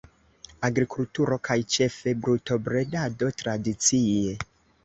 Agrikulturo kaj ĉefe brutobredado tradicie.